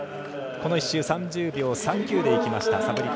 この１周３０秒３９でいきました。